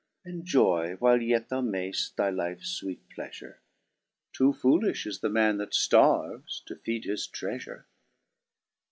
Enjoy while yet thou may ft thy lifes fweet pleqfure : Toofoolijh is the man that ftarves to feed his treqfure.